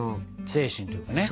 精神というかね。